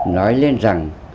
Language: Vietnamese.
nói lên rằng